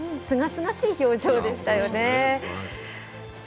すがすがしい表情でしたよね。